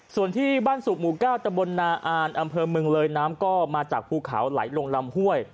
ส่วนที่บ้านสูบหมู่๙ตะบลนาอ่านอำเภอเมืองเลยน้ำก็มาจากภูเขาไหลลงลำห้วย